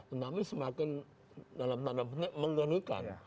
tetapi semakin dalam tanda penting mengerikan